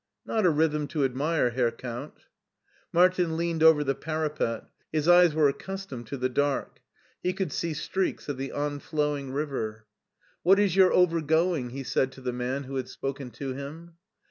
" Not a rhythm to admire, Herr Count'* Martin leaned over the parapet. His eyes were ac customed to the dark. He could see streaks of the onflowing river. SCHWARZWALD 243 "What IS your over going?" he said to the man who had spoken to him.